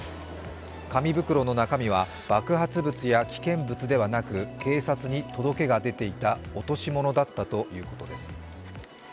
紙袋の中身は爆発物や危険物ではなく警察に届けが出ていた落とし物だったということです。